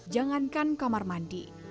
jangankan kamar mandi